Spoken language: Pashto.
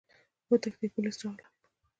وتښتئ! پوليس راغلل!